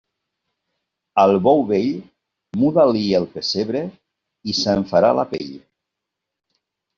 Al bou vell, muda-li el pessebre i se'n farà la pell.